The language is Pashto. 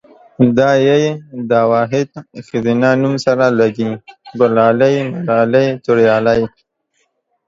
دا ۍ دا واحد ښځينه نوم سره لګي، ګلالۍ ملالۍ توريالۍ